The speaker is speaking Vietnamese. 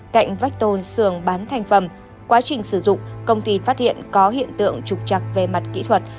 cạnh vách tôn sườn bán thành phẩm quá trình sử dụng công ty phát hiện có hiện tượng trục chặt về mặt kỹ thuật